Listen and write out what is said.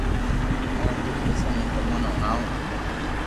ائرا ڪجھ قسم ھون تموني ھڻاوُ ھون